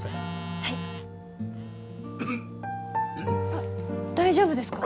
あっ大丈夫ですか？